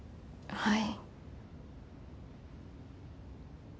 はい。